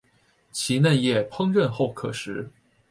其嫩叶烹饪后可食。